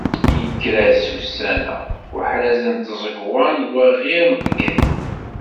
Yekker-as ussan-a uḥraz n tẓegwa n waɣir n Bgayet.